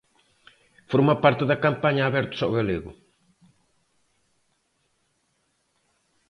Forma parte da campaña Abertos ao galego.